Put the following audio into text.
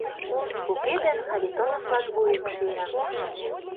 Уке гын, Харитоновлан вуйым шиям!